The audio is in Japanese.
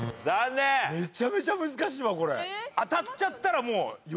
めちゃめちゃ難しいわこれ当たっちゃったらもう余裕。